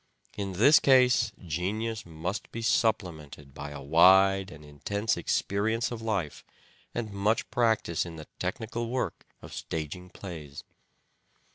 In this case genius must be supplemented by a wide and intense experience of life and much practice in the technical work of staging plays.